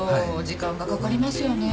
時間がかかりますよね。